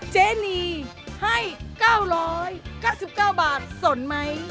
เจนีให้๙๙๙บาทสนไหม